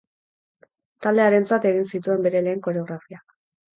Talde harentzat egin zituen bere lehen koreografiak.